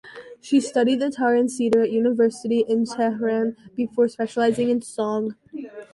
She studied the tar and setar at university in Tehran before specialising in song.